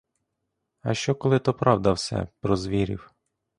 А що, коли то правда все — про звірів?